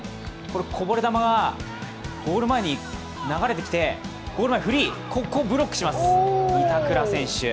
こぼれ球がゴール前に流れてきて、ゴール前フリー、ここブロックします、板倉選手。